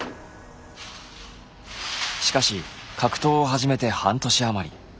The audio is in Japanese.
しかし格闘を始めて半年余り。